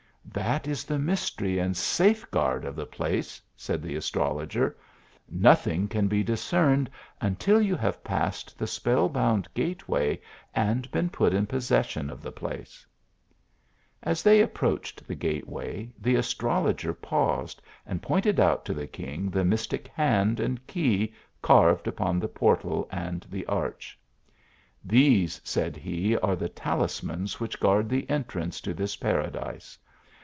" That is the mystery and safeguard of the place," said the astrologer, " nothing can be discern ed until you have passed the spell bound gateway, and been put in possession of the place." THE ARABIAN AS TR OL GER. 127 As they approached *he( gateway, the astrologer paused, and pointed out to the king the mystic hand and key carved upon the portal and the arch. "These," said he, "are the talismans which guard the entrance to this paradise.